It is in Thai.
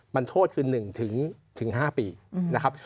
มันโทษคือ๑๕ปีนะครับ